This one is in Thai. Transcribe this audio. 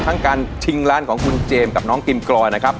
ทั้งการชิงร้านของคุณเจมส์กับน้องกิมกรอยนะครับ